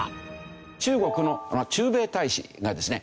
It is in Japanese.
中国の駐米大使がですね